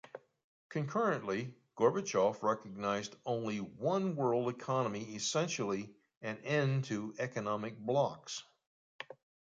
Concurrently, Gorbachev recognized only one world economy-essentially an end to economic blocs.